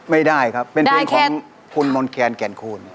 ไม่ได้ครับเป็นเพลงของคุณมนต์แคนแก่นคูณ